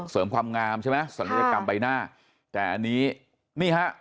เสริมความงามใช่ไหมศัลยกรรมใบหน้าแต่อันนี้นี่ฮะ